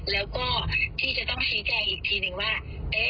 แล้วก็ที่จะต้องชี้แจงอีกทีนึงว่า